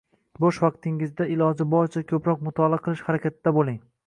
Boʻsh vaqtlaringizda iloji boricha koʻproq mutolaa qilish harakatida boʻling